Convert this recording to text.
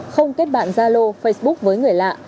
không kết bạn gia lô facebook với người lạ